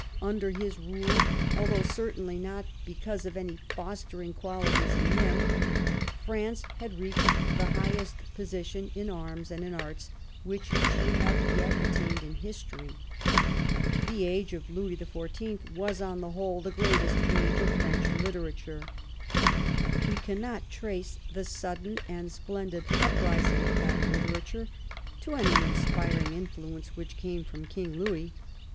Under his rule, although certainly not be cause of any fostering qualities in him, France had reached the highest position in arms and in arts which she had yet attained in history. The age of Louis the Fourteenth was, on the whole, the greatest age of French literature. We cannot trace the sudden and splendid uprising of that literature to any inspiring influence which came from King Louis.